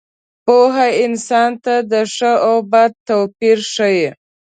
پوهه انسان ته د ښه او بد توپیر ښيي.